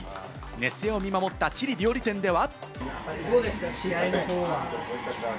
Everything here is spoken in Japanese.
熱戦を見守ったチリ料理店では。